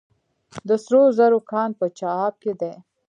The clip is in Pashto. د سرو زرو کان په چاه اب کې دی